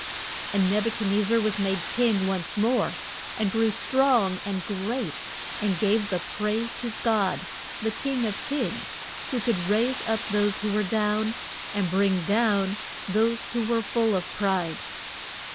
And Neb u chad nez zar was made king once more, and grew strong and great, and gave the praise to God; the King of kings, who could raise up those who were down, and bring down those who were full of pride.